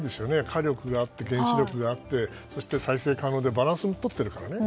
火力があって原子力があってそして再生可能でバランスをとっているからね。